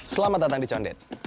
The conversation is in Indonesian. selamat datang di condet